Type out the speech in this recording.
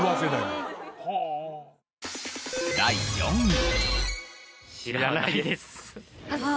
第４位。